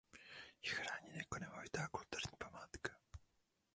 Je chráněn jako nemovitá kulturní památka.